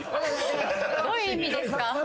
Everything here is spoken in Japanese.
どういう意味ですか？